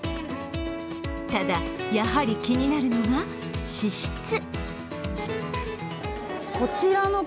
ただ、やはり気になるのが脂質。